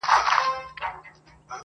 په دې کور کي فقط دا سامان را ووت